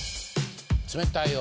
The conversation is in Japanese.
冷たいよ。